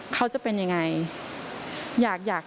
เขาจะเป็นยังไง